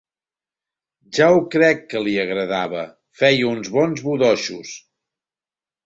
Ja ho crec que li agradava, feia uns bons budoixos!